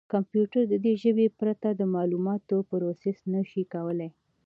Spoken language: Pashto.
کمپیوټر د دې ژبې پرته د معلوماتو پروسس نه شي کولای.